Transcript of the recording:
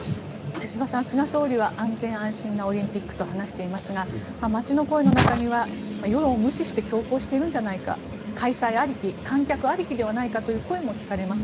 石破さん、菅総理は安心安全なオリンピックと話していますが街の声の中には世論を無視して強行しているんじゃないか開催ありき観客ありきではないかという声も聞かれます。